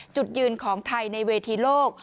จุดยืนของไทยในเวทีโลก